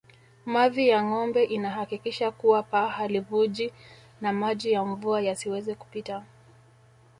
Mavi ya ngombe inahakikisha kuwa paa halivuji na maji ya mvua yasiweze kupita